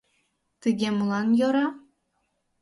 Тыге молан йӧра.